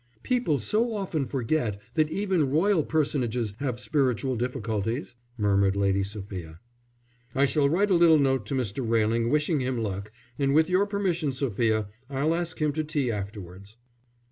"People so often forget that even Royal Personages have spiritual difficulties," murmured Lady Sophia. "I shall write a little note to Mr. Railing wishing him luck, and with your permission, Sophia, I'll ask him to tea afterwards."